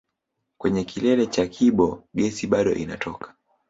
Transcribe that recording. Kwenye kilele cha Kibo gesi bado inatoka